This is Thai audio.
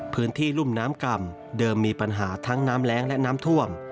รุ่มน้ำก่ำเดิมมีปัญหาทั้งน้ำแรงและน้ำท่วม